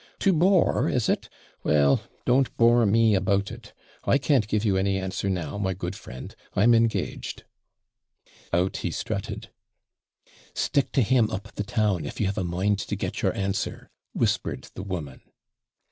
'To bore, is it? Well, don't BORE me about it. I can't give you any answer now, my good friend; I'm engaged.' Out he strutted. 'Stick to him up the town, if you have a mind to get your answer,' whispered the woman.